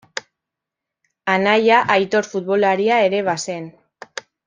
Anaia Aitor futbolaria ere bazen.